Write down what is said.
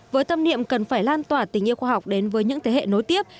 với tâm niệm cần phải lan tỏa tình yêu khoa học đến với những thế hệ nối tiếp